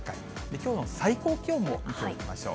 きょうの最高気温も見ておきましょう。